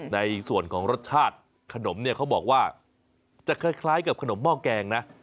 ในส่วนของรสชาติขนมเนี่ยเขาบอกว่าจะคล้ายกับขนมหม้อแกงนะ